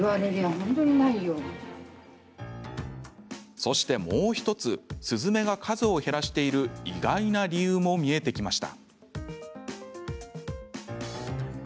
そして、もう１つスズメが数を減らしている意外な理由も見えてきました。